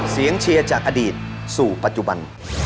เชียร์จากอดีตสู่ปัจจุบัน